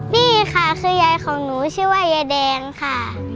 นี่ค่ะคือยายของหนูชื่อว่ายายแดงค่ะ